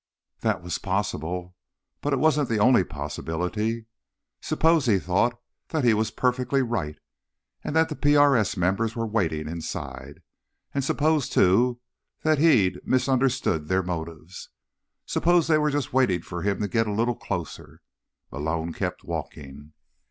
That was possible. But it wasn't the only possibility. Suppose, he thought, that he was perfectly right, and that the PRS members were waiting inside. And suppose, too, that he'd misunderstood their motives. Suppose they were just waiting for him to get a little closer. Malone kept walking.